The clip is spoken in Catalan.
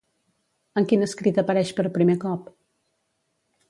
En quin escrit apareix per primer cop?